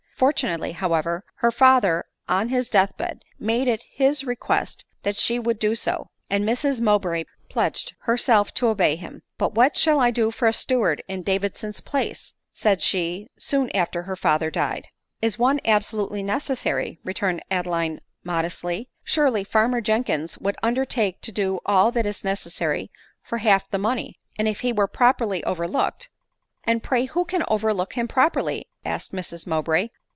Fortunately, however, her father on his death bed made it his request that she would do so ; and l^rs Mowbray pledged her self to obey him. " But what shall I do for a steward in Davison's place ?" said she soon after her father died. 12 ADELINE MOWBRAY. "Is one absolutely necessary?" returned Adeline modestly. " Surely farmer Jenkins would undertake to do all that is necessary for half the money ; and, if he were properly overlooked —"" And pray who can overlook him properly ?" asked Mrs Mowbray.